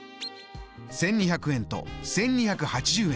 １２００円と１２８０円。